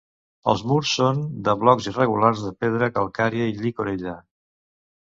Els murs són de blocs irregulars de pedra calcària i llicorella.